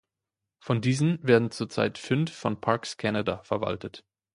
Von diesen werden zurzeit fünf von Parks Canada verwaltet.